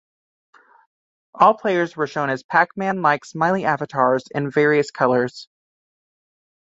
All players were shown as "Pac-Man"-like smiley avatars in various colors.